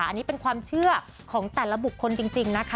อันนี้เป็นความเชื่อของแต่ละบุคคลจริงนะคะ